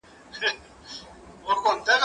زه مخکي شګه پاکه کړې وه!؟